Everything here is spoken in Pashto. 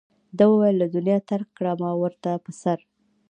ده وویل له دنیا ترک کړه ما ورته په سر.